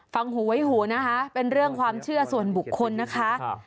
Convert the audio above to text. หูไว้หูนะคะเป็นเรื่องความเชื่อส่วนบุคคลนะคะ